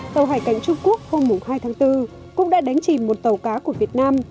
tàu hải cảnh trung quốc hôm hai tháng bốn cũng đã đánh chìm một tàu cá của việt nam